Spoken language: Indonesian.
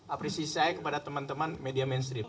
apresi saya kepada teman teman media mainstream